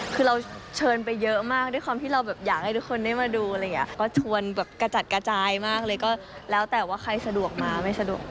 คือเราเชิญไปเยอะมากด้วยความที่เราแบบอยากให้ทุกคนได้มาดูอะไรอย่างนี้ก็ชวนแบบกระจัดกระจายมากเลยก็แล้วแต่ว่าใครสะดวกมาไม่สะดวก